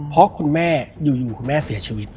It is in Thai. เพราะคุณแม่อยู่คุณแม่เสียชีวิต